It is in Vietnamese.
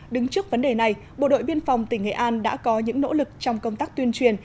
đứng trước vấn đề này bộ đội biên phòng tỉnh nghệ an đã có những nỗ lực trong công tác tuyên truyền